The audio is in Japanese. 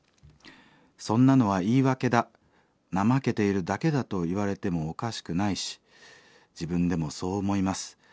『そんなのは言い訳だ怠けているだけだ』と言われてもおかしくないし自分でもそう思います。